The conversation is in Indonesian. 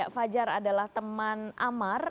fajar adalah teman amar